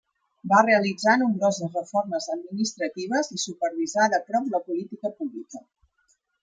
Va realitzar nombroses reformes administratives i supervisà de prop la política pública.